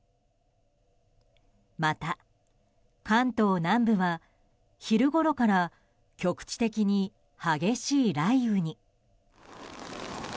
また、関東南部は昼ごろから局地的に激しい雷雨に。